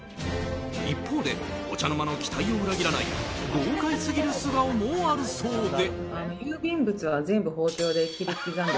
一方でお茶の間の期待を裏切らない豪快すぎる素顔もあるそうで。